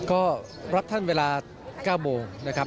ก็รับทั้งเวลา๙โมง